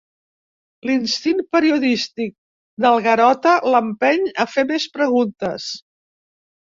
L'instint periodístic del Garota l'empeny a fer més preguntes.